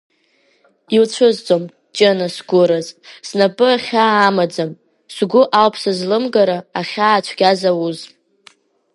Иуцәызӡом, Ҷына сгәыраз, снапы ахьаа амаӡам, сгәы ауп сызлымгара ахьаа цәгьа зауз.